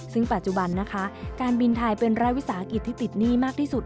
ซึ่งปัจจุบันนะคะการบินไทยเป็นรัฐวิสาหกิจที่ติดหนี้มากที่สุด